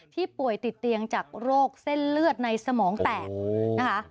ป่วยติดเตียงจากโรคเส้นเลือดในสมองแตกนะคะ